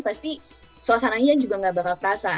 pasti suasananya juga tidak akan terasa